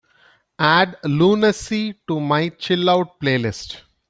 add lunacy to my chill out playlist